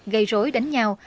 gây rối đánh nhau